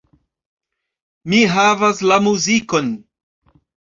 Mi havas la muzikon.